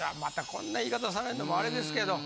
こんな言い方されんのもあれですけど。